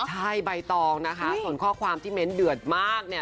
ใช่ใบตองนะคะส่วนข้อความที่เม้นเดือดมากเนี่ย